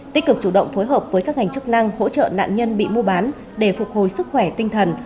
tích cực chủ động phối hợp với các ngành chức năng hỗ trợ nạn nhân bị mua bán để phục hồi sức khỏe tinh thần